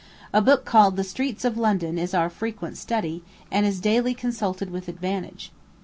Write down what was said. A book called "The Streets of London" is our frequent study, and is daily consulted with advantage.